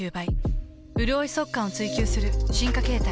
うるおい速乾を追求する進化形態。